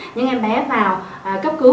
những em bé vào cấp cứu